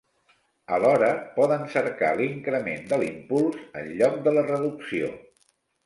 Alhora, poden cercar l'increment de l'impuls, en lloc de la reducció.